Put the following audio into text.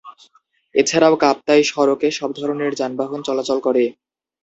এছাড়াও কাপ্তাই সড়কে সব ধরনের যানবাহন চলাচল করে।